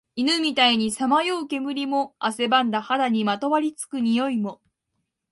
犬みたいにさまよう煙も、汗ばんだ肌にまとわり付く臭いも、